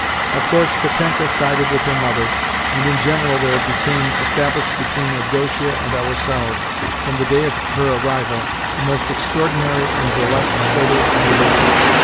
Of course Katenka sided with her mother and, in general, there became established between Avdotia and ourselves, from the day of her arrival, the most extraordinary and burlesque order of relations.